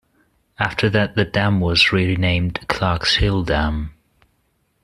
After that the dam was renamed "Clarks Hill Dam".